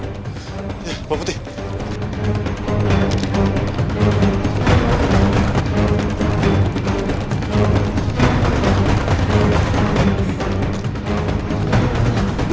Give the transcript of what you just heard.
ya pak putih